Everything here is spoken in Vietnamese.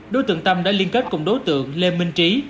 đối tượng tâm đã liên kết cùng đối tượng lê minh trí